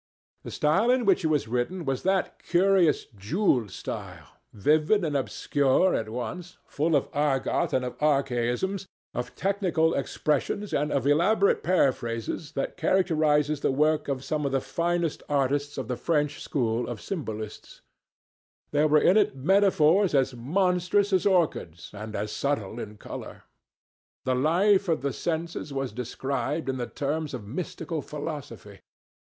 The style in which it was written was that curious jewelled style, vivid and obscure at once, full of argot and of archaisms, of technical expressions and of elaborate paraphrases, that characterizes the work of some of the finest artists of the French school of Symbolistes. There were in it metaphors as monstrous as orchids and as subtle in colour. The life of the senses was described in the terms of mystical philosophy.